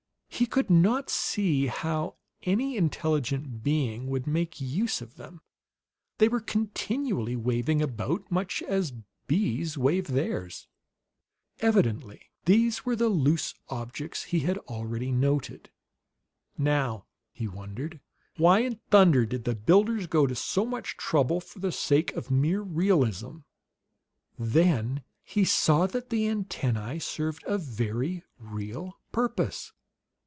He could not see how any intelligent being would make use of them; they were continually waving about, much as bees wave theirs. Evidently these were the loose objects he had already noted. "Now," he wondered, "why in thunder did the builders go to so much trouble for the sake of mere realism?" Then he saw that the antennae served a very real purpose.